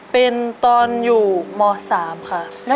เป็นตอนอยู่ม๓ค่ะ